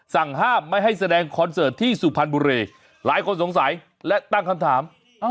สั่งห้ามไม่ให้แสดงคอนเสิร์ตที่สุพรรณบุรีหลายคนสงสัยและตั้งคำถาม